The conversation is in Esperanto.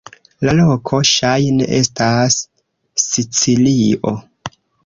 La loko ŝajne estas Sicilio.